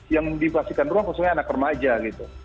yang dipastikan ruang khususnya anak remaja gitu